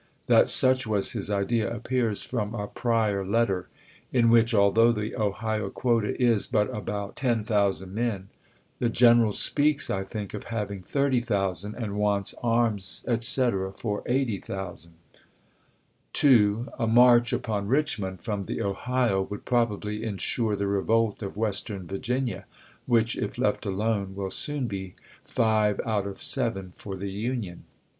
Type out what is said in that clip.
That such w^as his idea appears from a prior letter, in which, although the Ohio quota is but about 10,000 men, the general speaks, I think, of having 30,000 and wants arms, etc., for 80,000. 2. A march upon Richmond from the Ohio would probably insure the revolt of Western Virginia, which if left alone will soon be five out of seven for the Union.